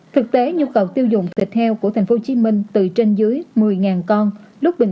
thực tế nhu cầu tiêu dùng thịt heo của tp hcm từ trên dưới một mươi con